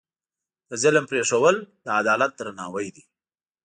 د ظلم پرېښودل، د عدالت درناوی دی.